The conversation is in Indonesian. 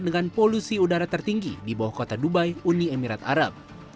dengan polusi udara tertinggi di bawah kota dubai uni emirat arab